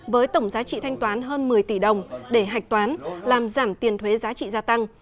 với tổng giá trị thanh toán hơn một mươi tỷ đồng để hạch toán làm giảm tiền thuế giá trị gia tăng